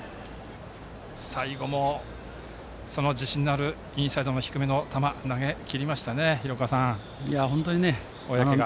最後もその自信のあるインサイドの低めの球投げきりましたね、小宅が。